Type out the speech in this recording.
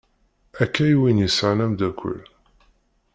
Akka i d win yesɛan amddakel.